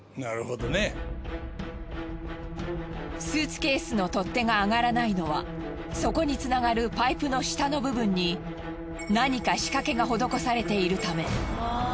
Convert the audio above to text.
スーツケースの取っ手が上がらないのはそこに繋がるパイプの下の部分に何か仕掛けが施されているため。